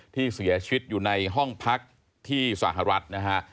ที่เสียชีวิตอยู่ในห้องพักที่สหรัฐนะฮะ